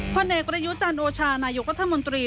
พ่อเนกระยุจันทร์โอชานายุควัฒนมนตรี